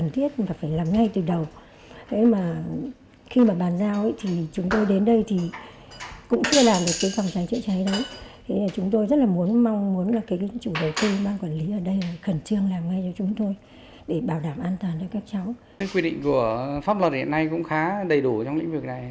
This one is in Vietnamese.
quy định của pháp luật hiện nay cũng khá đầy đủ trong lĩnh vực này